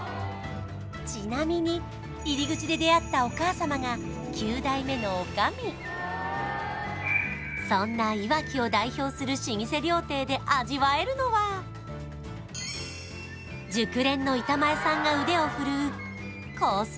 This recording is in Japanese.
ちなみに入り口で出会ったお母様が９代目の女将そんないわきを代表する熟練の板前さんが腕をふるうコース